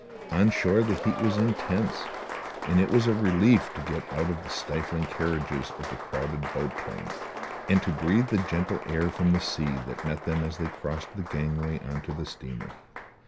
On shore the heat was intense, and it was a relief to get out of the stifling carriages of the crowded boat train, and to breathe the gentle air from the sea that met them as they crossed the gangway on to the steamer.